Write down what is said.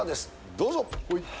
どうぞ。